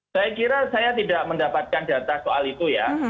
saya kira saya tidak mendapatkan data soal itu ya